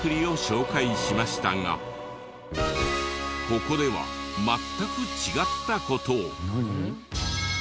ここでは全く違った事を。